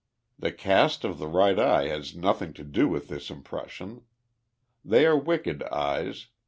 The cast of the right eye has nothing to do with this impression. They are wicked cj^es.